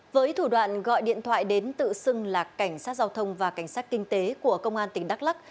với thủ đoạn gọi điện thoại đến tự xưng là cảnh sát giao thông và cảnh sát kinh tế của công an tỉnh đắk lắc